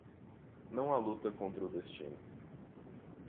Não há luta contra o destino.